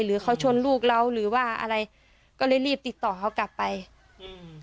หรือเขาชนลูกเราหรือว่าอะไรก็เลยรีบติดต่อเขากลับไปอืม